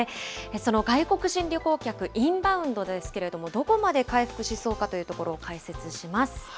その外国人旅行客、インバウンドですけれども、どこまで回復しそうかというところを解説します。